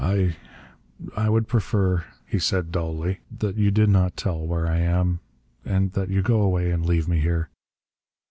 "I I would prefer," he said dully, "that you did not tell where I am, and that you go away and leave me here.